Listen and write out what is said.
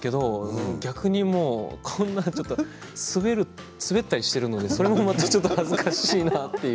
逆に滑ったりしていたのでそれもまたちょっと恥ずかしいなという。